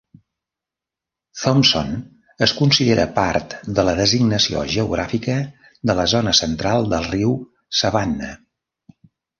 Thomson es considera part de la designació geogràfica de la zona central del riu Savannah.